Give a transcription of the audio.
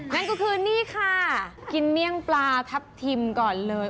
นั่นก็คือนี่ค่ะกินเมี่ยงปลาทับทิมก่อนเลย